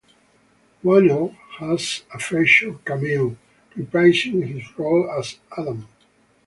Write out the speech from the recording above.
Whannell has a featured cameo, reprising his role as Adam.